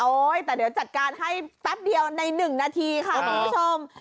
โอ้ยแต่เดี๋ยวจัดการให้แป๊บเดียวในหนึ่งนาทีค่ะคุณผู้ชมอ๋อ